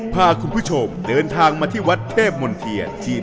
พาคุณผู้ชมเดินทางมาที่วัดเทพมนติเจอสิทธิ์